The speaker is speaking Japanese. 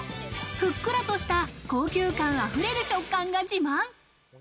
ふっくらとした高級感溢れる食感が自慢。